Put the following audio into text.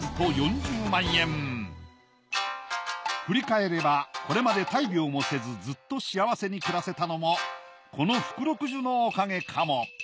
振り返ればこれまで大病もせずずっと幸せに暮らせたのもこの福禄寿のおかげかも。